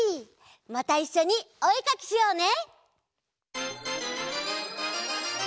またいっしょにおえかきしようね！